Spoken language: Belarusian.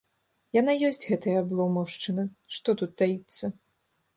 Яна ёсць, гэтая абломаўшчына, што тут таіцца.